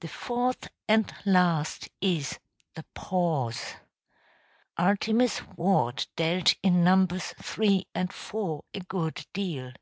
The fourth and last is the pause. Artemus Ward dealt in numbers three and four a good deal.